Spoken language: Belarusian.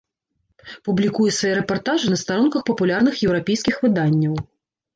Публікуе свае рэпартажы на старонках папулярных еўрапейскіх выданняў.